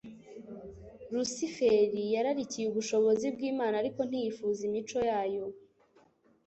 Lusiferi yararikiye ubushobozi bw'Imana ariko ntiyifuza imico ya yo.